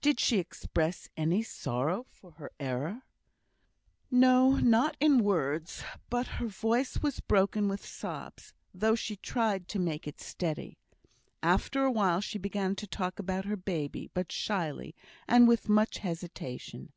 "Did she express any sorrow for her error?" "No, not in words, but her voice was broken with sobs, though she tried to make it steady. After a while she began to talk about her baby, but shyly, and with much hesitation.